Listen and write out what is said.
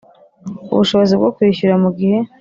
ubushobozi bwo kwishyura mu gihe